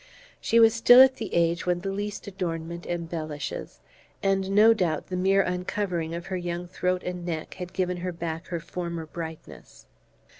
She was still at the age when the least adornment embellishes; and no doubt the mere uncovering of her young throat and neck had given her back her former brightness.